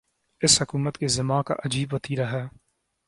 اس حکومت کے زعما کا عجیب وتیرہ ہے۔